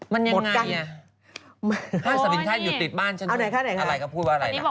เมื่อสมินทรัพย์อยู่ติดบ้านเชิงดูอะไรก็พูดว่าอะไรนะเอาไหน